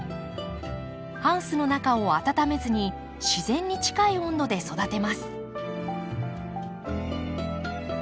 ハウスの中を温めずに自然に近い温度で育てます。